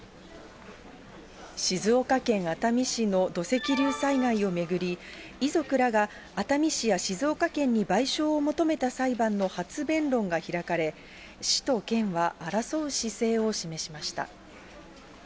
静岡県熱海市の土石流災害を巡り、遺族らが熱海市や静岡県に賠償を求めた裁判の初弁論が開かれ、市と県は争う姿勢を示しました。